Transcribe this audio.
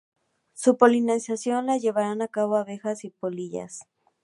Su polinización la llevan a cabo abejas o polillas.